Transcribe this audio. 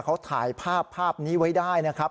เขาถ่ายภาพภาพนี้ไว้ได้นะครับ